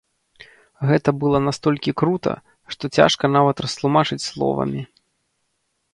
Гэта было настолькі крута, што цяжка нават растлумачыць словамі.